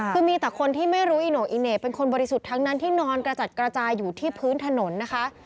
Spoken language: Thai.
คือมีแต่คนที่ไม่รู้อีโน่อีเหน่เป็นคนบริสุทธิ์ทั้งนั้นที่นอนกระจัดกระจายอยู่ที่พื้นถนนนะคะ